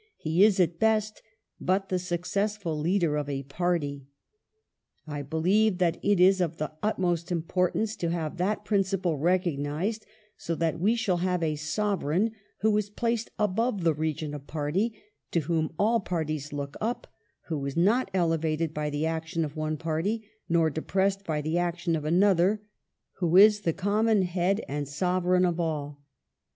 ... He is at best but the suc cessful leader of a party. ... I believe that it is of the utmost importance to have that principle recognized, so that we shall have a Sovereign who is placed above the region of party ; to whom all parties look up ; who is not elevated by the action of one party, nor depressed by the action of another ; who is the common head and Sovereign of all."